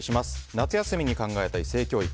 夏休みに考えたい性教育。